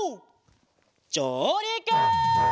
じょうりく！